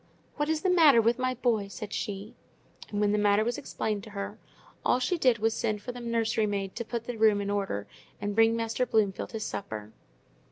"What is the matter with my boy?" said she. And when the matter was explained to her, all she did was to send for the nursery maid to put the room in order, and bring Master Bloomfield his supper.